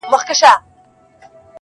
دعوه د سړيتوب دي لا مشروطه بولمیاره -